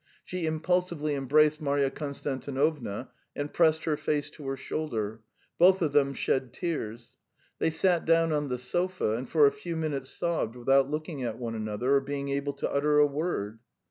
She impulsively embraced Marya Konstantinovna and pressed her face to her shoulder. Both of them shed tears. They sat down on the sofa and for a few minutes sobbed without looking at one another or being able to utter a word.